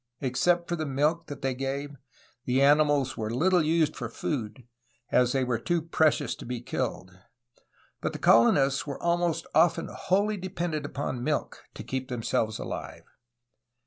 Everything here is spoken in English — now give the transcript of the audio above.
Except for the milk that they gave, the animals were little used for food, as they were too precious to be killed, but the colonists were often almost wholly dependent upon milk to keep themselves alive.